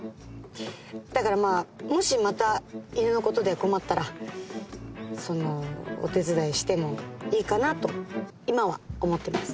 だからまあもしまた犬の事で困ったらそのお手伝いしてもいいかなと今は思ってます。